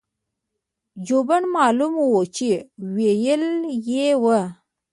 جوبن معلوم وو چې وييلي يې وو-